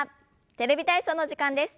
「テレビ体操」の時間です。